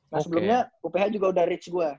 nah sebelumnya uph juga udah reach gue